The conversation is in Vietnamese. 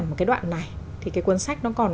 một cái đoạn này thì cái cuốn sách nó còn